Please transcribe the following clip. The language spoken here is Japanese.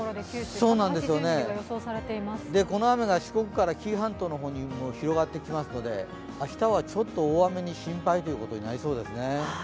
この雨が四国から紀伊半島の方にも広がってきますので、明日はちょっと大雨に心配ということになりそうです。